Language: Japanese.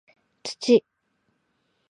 土